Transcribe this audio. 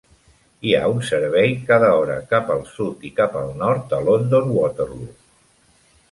Hi ha un servei cada hora cap al sud i cap al nord de London Waterloo.